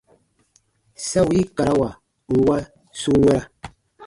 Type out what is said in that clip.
Sa wii karawa nwa su wɛ̃ra.